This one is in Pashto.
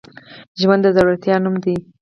ژوند د زړورتیا نوم دی.